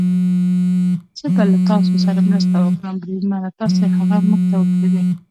زه به له تاسو سره مرسته وکړم، بریدمنه، تاسې هغه موږ ته پرېږدئ.